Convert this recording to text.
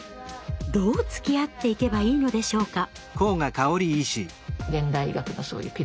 どうつきあっていけばいいのでしょうか？